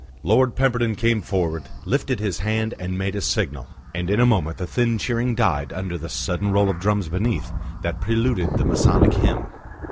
Lord Pemberton came forward, lifted his hand and made a signal; and in a moment the thin cheering died under the sudden roll of drums beneath that preluded the Masonic Hymn.